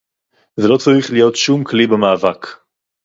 זה לא צריך להיות שום כלי במאבק